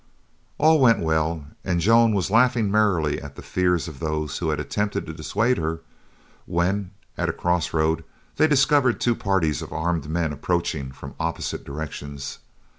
All went well and Joan was laughing merrily at the fears of those who had attempted to dissuade her when, at a cross road, they discovered two parties of armed men approaching from opposite directions.